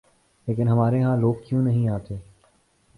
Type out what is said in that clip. لیکن ہمارے ہاں لوگ کیوں نہیں آتے؟